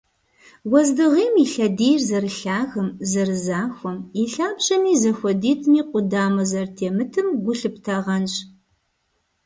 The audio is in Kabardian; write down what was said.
Уэздыгъейм и лъэдийр зэрылъагэм, зэрызахуэм, и лъабжьэми и зэхуэдитӀми къудамэ зэрытемытым гу лъыптагъэнщ.